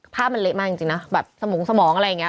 ภาพมันเละมากจริงนะแบบสมองสมองอะไรอย่างนี้